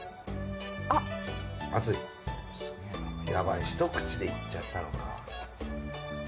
ヤバいひと口でいっちゃったのか。